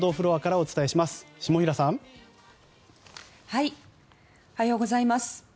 おはようございます。